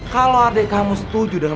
kalau yang maksudnya